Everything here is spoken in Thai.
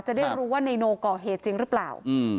จะได้รู้ว่านายโนก่อเหตุจริงหรือเปล่า